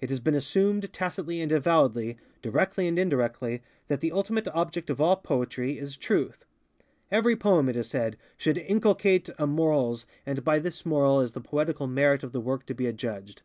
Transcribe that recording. _It has been assumed, tacitly and avowedly, directly and indirectly, that the ultimate object of all Poetry is Truth. Every poem, it is said, should inculcate a morals and by this moral is the poetical merit of the work to be adjudged.